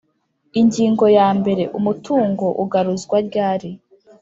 Ingingo ya mbere Umutungo ugaruzwa ryari